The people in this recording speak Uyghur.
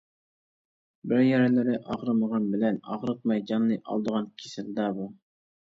بىر يەرلىرى ئاغرىمىغان بىلەن، ئاغرىتماي جاننى ئالىدىغان كېسەلدە بۇ!